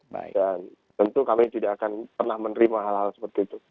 dan tentu kami tidak akan pernah menerima hal hal seperti itu